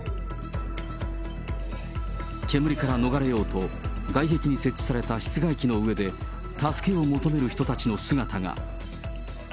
煙から逃れようと、外壁に設置された室外機の上で、助けを求める人たちの姿が。